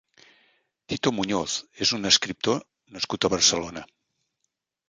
Tito Muñoz és un escriptor nascut a Barcelona.